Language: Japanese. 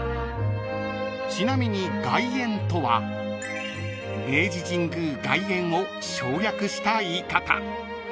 ［ちなみに「外苑」とは「明治神宮外苑」を省略した言い方］